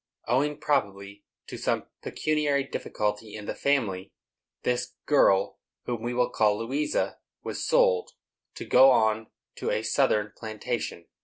Owing, probably, to some pecuniary difficulty in the family, this girl, whom we will call Louisa, was sold, to go on to a Southern plantation.